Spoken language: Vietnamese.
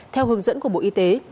theo hướng dẫn của bộ y tế